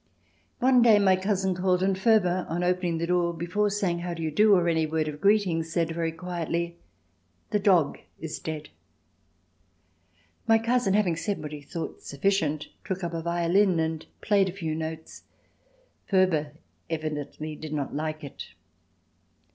One day my cousin called and Furber, on opening the door, before saying "How do you do?" or any word of greeting, said very quietly: "The dog is dead." My cousin, having said what he thought sufficient, took up a violin and played a few notes. Furber evidently did not like it.